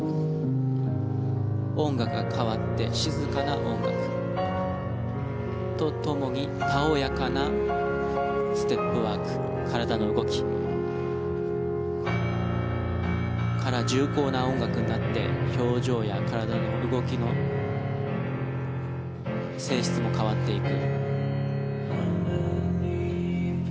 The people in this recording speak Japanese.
音楽が変わって静かな音楽とともにたおやかなステップワーク体の動きから重厚な音楽になって表情や体の動きの性質も変わっていく。